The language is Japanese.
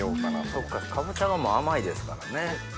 そっかかぼちゃがもう甘いですからね。